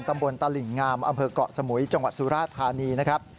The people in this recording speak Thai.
ตำบลตลิ่งงามอำเภอกเกาะสมุยจังหวัดสุราธานีนะครับ